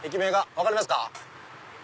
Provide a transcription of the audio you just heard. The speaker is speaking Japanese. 分かりますか？